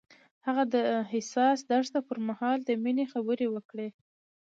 هغه د حساس دښته پر مهال د مینې خبرې وکړې.